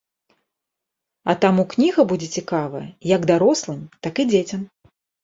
А таму кніга будзе цікавая як дарослым, так і дзецям.